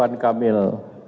pak ridwan kamil